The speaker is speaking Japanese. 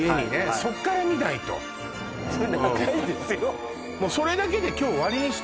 そっから見ないとそれ長いですよ